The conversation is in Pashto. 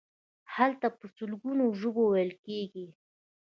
هلته په سلګونو ژبې ویل کیږي.